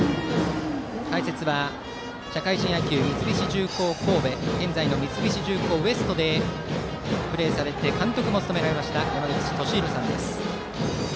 解説は社会人野球、三菱重工神戸現在の三菱重工Ｗｅｓｔでプレーされて監督も務められました山口敏弘さんです。